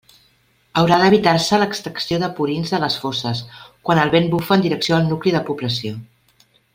Haurà d'evitar-se l'extracció de purins de les fosses quan el vent bufe en direcció al nucli de població.